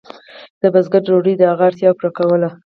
د بزګر ډوډۍ د هغه اړتیا پوره کوله.